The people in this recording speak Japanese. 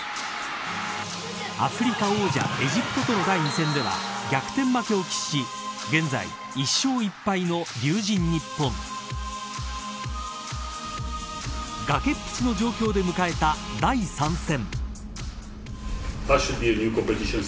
アフリカ王者エジプトとの第２戦では、逆転負けを喫し現在、１勝１敗の龍神ＮＩＰＰＯＮ。崖っぷちの状況で迎えた第３戦。